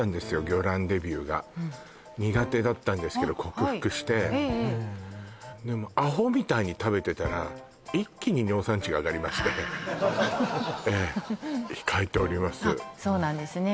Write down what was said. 魚卵デビューが苦手だったんですけど克服してでアホみたいに食べてたら一気に尿酸値が上がりましてええ控えておりますそうなんですね